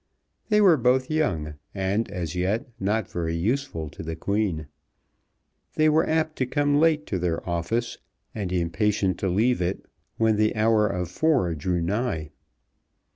They were both young, and as yet not very useful to the Queen. They were apt to come late to their office, and impatient to leave it when the hour of four drew nigh.